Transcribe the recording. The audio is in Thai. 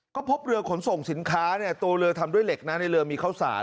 ก็พบเรือขนส่งสินค้าเนี่ยตัวเรือทำด้วยเหล็กนะในเรือมีข้าวสาร